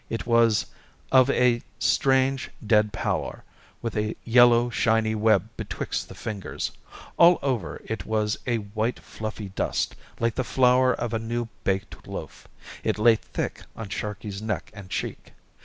It was of a strange dead pallor, with a yellow shiny web betwixt the fingers. All over it was a white fluffy dust, like the flour of a new baked loaf. It lay thick on Sharkey's neck and cheek.